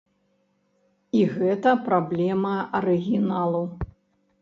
І гэта праблема арыгіналу.